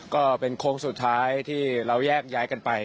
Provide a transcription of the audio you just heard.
ก็เป็นโค้งสุดท้ายที่เราแยกย้ายกันไป